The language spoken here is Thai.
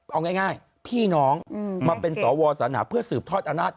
เอาง่ายพี่น้องมาเป็นสวสนาเพื่อสืบทอดอำนาจ